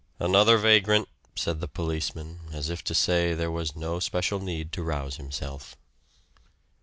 "Another vagrant," said the policeman, as if to say there was no special need to rouse himself.